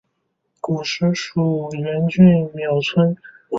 古时属荏原郡衾村。